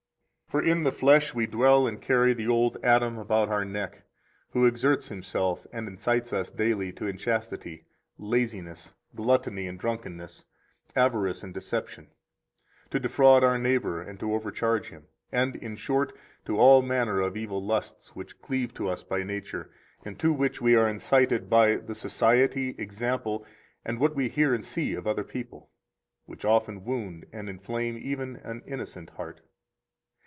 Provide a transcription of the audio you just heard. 102 For in the flesh we dwell and carry the old Adam about our neck, who exerts himself and incites us daily to inchastity, laziness, gluttony and drunkenness, avarice and deception, to defraud our neighbor and to overcharge him, and, in short, to all manner of evil lusts which cleave to us by nature, and to which we are incited by the society, example and what we hear and see of other people, which often wound and inflame even an innocent heart.